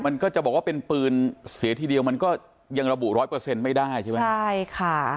มันก็จะบอกว่าเป็นปืนเสียทีเดียวมันก็ยังระบุ๑๐๐ไม่ได้ใช่ไหมใช่ค่ะ